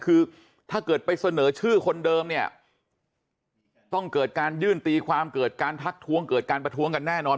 คือถ้าเกิดไปเสนอชื่อคนเดิมเนี่ยต้องเกิดการยื่นตีความเกิดการทักทวงเกิดการประท้วงกันแน่นอน